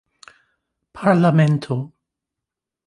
parlamento